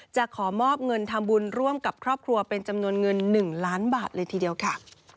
จะขอมอบเงินทำบุญร่วมกับครอบครัวเป็นจำนวนเงิน๑ล้านบาทเลยทีเดียวค่ะ